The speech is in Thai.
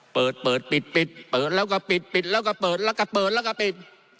เปิดเปิดปิดปิดเปิดแล้วก็ปิดปิดแล้วก็เปิดแล้วก็เปิดแล้วก็ปิด